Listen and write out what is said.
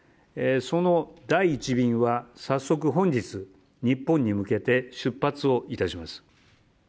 その第１便は早速本日、日本に向けて出発いたします。